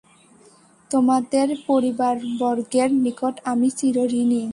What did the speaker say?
তোমাদের পরিবারবর্গের নিকট আমি চিরঋণী।